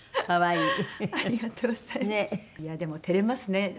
いやでも照れますね。